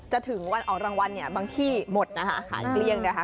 ถึงวันออกรางวัลเนี่ยบางที่หมดนะคะขายเกลี้ยงนะคะ